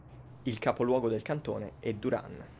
Il capoluogo del cantone è Durán.